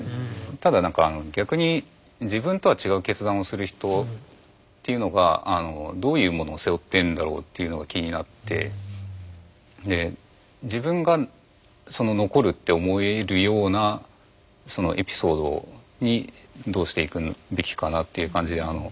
ただ何か逆に自分とは違う決断をする人っていうのがどういうものを背負ってるんだろうというのが気になってで自分がその残るって思えるようなそのエピソードにどうしていくべきかなっていう感じであの。